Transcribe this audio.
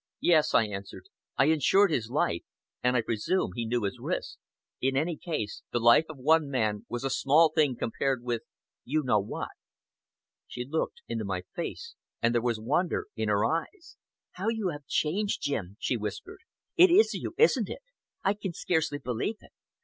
"Yes!" I answered. "I insured his life, and I presume he knew his risks. In any case, the life of one man was a small thing compared with you know what." She looked into my face, and there was wonder in her eyes. "How you have changed, Jim," she whispered. "It is you, isn't it? I can scarcely believe it.